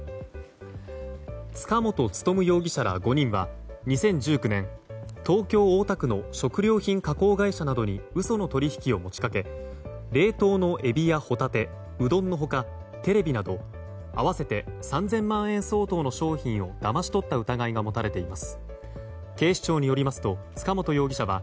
塚本勉容疑者ら５人は２０１９年東京・大田区の食料品加工会社などに嘘の取引を持ち掛け冷凍のエビやホタテうどんの他、テレビなど合わせて３０００万円相当の商品をだまし取った疑いが持たれています。